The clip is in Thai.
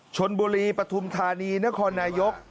ชนบุรีปฐุมธานีนครนายก